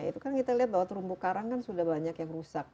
itu kan kita lihat bahwa terumbu karang kan sudah banyak yang rusak